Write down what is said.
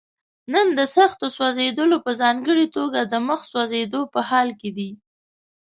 نن د سختو سوځېدلو په ځانګړي توګه د مخ سوځېدو په حال کې دي.